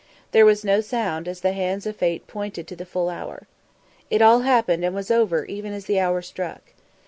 There was no sound, as the hands of Fate pointed to the full hour. It all happened and was over even as the hour struck.